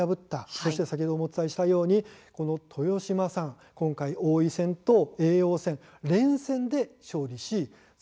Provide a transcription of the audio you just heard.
そして、先ほどお伝えしたように豊島さんに王位戦と叡王戦の連戦を制しました。